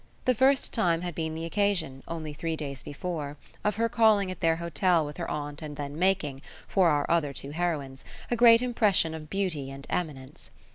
The first time had been the occasion only three days before of her calling at their hotel with her aunt and then making, for our other two heroines, a great impression of beauty and eminence.